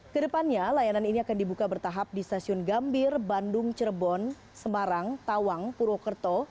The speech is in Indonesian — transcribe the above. kedepannya layanan ini akan dibuka bertahap di stasiun gambir bandung cirebon semarang tawang purwokerto